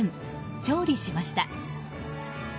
勝利しました。